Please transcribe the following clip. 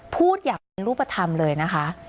พูดอย่างเป็นรูปธรรมเลยนะคะ